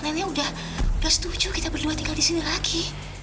nenek udah setuju kita berdua tinggal di sini lagi